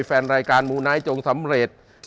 แฟนรายการมูไนท์จงสำเร็จ